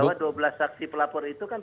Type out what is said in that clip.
bahwa dua belas saksi pelapor itu kan